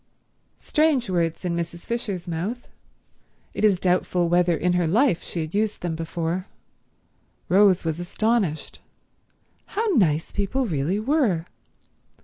Strange words in Mrs. Fisher's mouth. It is doubtful whether in her life she had used them before. Rose was astonished. How nice people really were.